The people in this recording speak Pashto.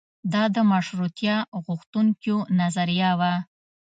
دا د مشروطیه غوښتونکیو نظریه وه.